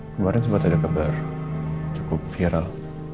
kemarin sempat ada kabar cukup viral